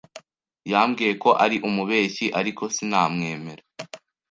Yambwiye ko ari umubeshyi, ariko sinamwemera.